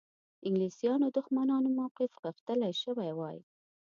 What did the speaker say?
د انګلیسیانو دښمنانو موقف غښتلی شوی وای.